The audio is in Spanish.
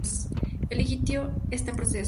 El litigio está en proceso.